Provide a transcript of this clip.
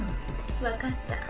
分かった。